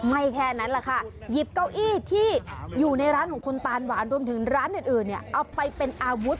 แค่นั้นแหละค่ะหยิบเก้าอี้ที่อยู่ในร้านของคุณตานหวานรวมถึงร้านอื่นเนี่ยเอาไปเป็นอาวุธ